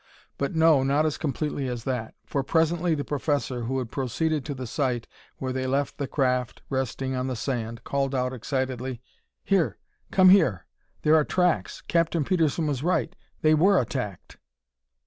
But no, not as completely as that! For presently the professor, who had proceeded to the site where they left the craft resting on the sand, called out excitedly: "Here come here! There are tracks! Captain Petersen was right! They were attacked!"